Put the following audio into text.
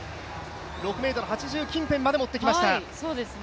６ｍ８０近辺までもっていきました。